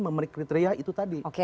memiliki kriteria itu tadi